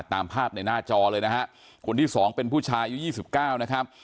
ตามภาพในหน้าจอเลยนะฮะคนที่สองเป็นผู้ชายอายุยี่สิบเก้านะครับ